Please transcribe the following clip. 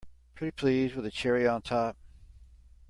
Pretty please with a cherry on top!